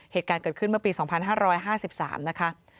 เหตุการณ์เกิดขึ้นเมื่อปี๒๕๕๓นะคะ